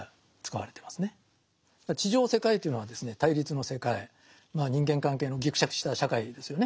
地上世界というのはですね対立の世界人間関係のぎくしゃくした社会ですよね。